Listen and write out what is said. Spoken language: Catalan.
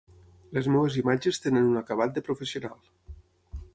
Les meves imatges tenen un acabat de professional.